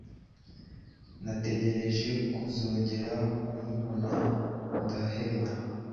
nategereje kuzongera kumubona ndaheba